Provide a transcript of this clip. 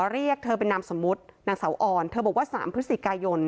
เรียกเธอเป็นนามสมมุตินางเสาอ่อนเธอบอกว่า๓พฤศจิกายน